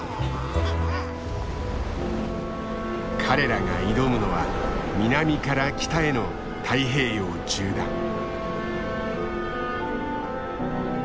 彼らが挑むのは南から北への太平洋縦断。